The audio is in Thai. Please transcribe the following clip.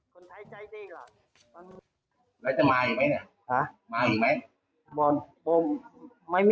คนไทยใจดีหรอนะ